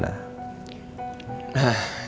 nah itu dia om